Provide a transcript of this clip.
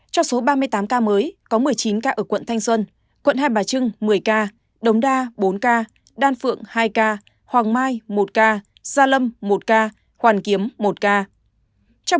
trong số ba mươi tám ca mới có một mươi chín ca ở quận thanh xuân quận hai bà trưng một mươi ca đống đa bốn ca đan phượng hai ca hoàng mai một ca gia lâm một ca hoàn kiếm một ca